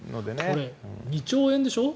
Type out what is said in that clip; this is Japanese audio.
これ２兆円でしょ。